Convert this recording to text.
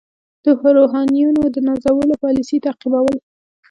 د روحانیونو د نازولو پالیسي تعقیبول.